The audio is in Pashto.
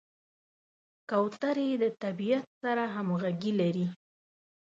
کوترې د طبیعت سره همغږي لري.